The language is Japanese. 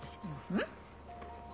うん。